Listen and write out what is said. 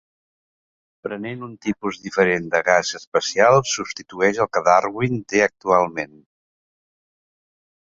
Prenent un tipus diferent de gas especial substitueix el que Darkwing té actualment.